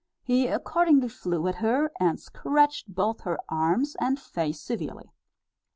He accordingly flew at her, and scratched both her arms and face severely.